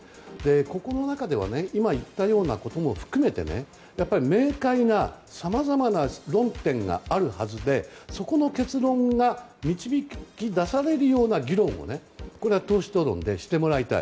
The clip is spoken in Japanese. この中で今言ったようなことも含めて明快なさまざまな論点があるはずでそこの結論が導き出されるような議論を党首討論でしてもらいたい。